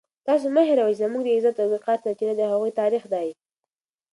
تاسو مه هېروئ چې زموږ د عزت او وقار سرچینه د هغوی تاریخ دی.